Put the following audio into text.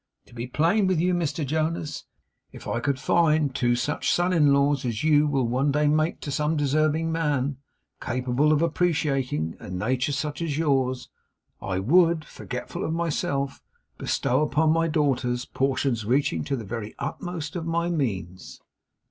To be plain with you, Mr Jonas, if I could find two such sons in law as you will one day make to some deserving man, capable of appreciating a nature such as yours, I would forgetful of myself bestow upon my daughters portions reaching to the very utmost limit of my means.